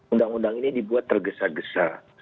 undang undang ini dibuat tergesa gesa